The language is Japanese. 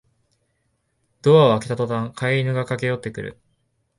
ドアを開けたとたん飼い犬が駆けよってくる